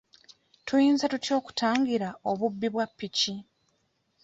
Tuyinza tutya okutangira obubbi bwa ppiki?